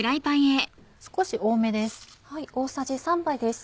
少し多めです。